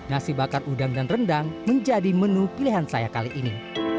nasi bakar udang dan rendang menjadi menu pilihan saya kali ini